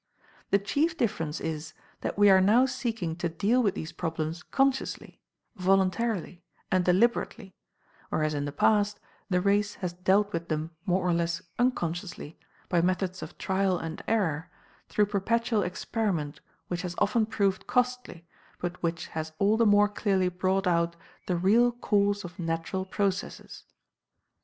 The chief difference is that we are now seeking to deal with these problems consciously, voluntarily, and deliberately, whereas in the past the race has dealt with them more or less unconsciously, by methods of trial and error, through perpetual experiment which has often proved costly but which has all the more clearly brought out the real course of natural processes.